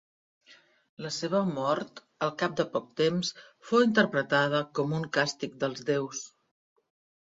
La seva mort al cap de poc temps fou interpretada com un càstig dels déus.